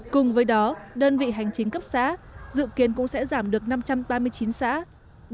cùng với đó đơn vị hành chính cấp xã dự kiến cũng sẽ giảm được năm trăm ba mươi chín xã